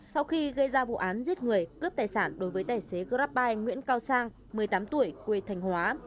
sau khi gây ra vụ án giết người cướp tài sản đối với tài xế grabbuide nguyễn cao sang một mươi tám tuổi quê thành hóa